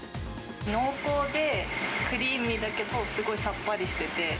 濃厚でクリーミーだけど、すごいさっぱりしてて。